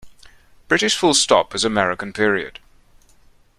British full stop is American period.